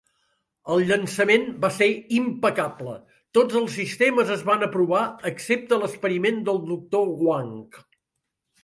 El llançament va ser impecable; tots els sistemes es van aprovar, excepte l'experiment del doctor Wang.